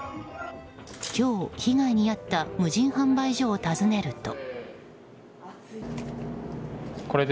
今日、被害に遭った無人販売所を訪ねると。